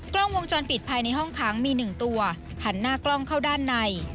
กล้องวงจรปิดภายในห้องค้างมี๑ตัวหันหน้ากล้องเข้าด้านใน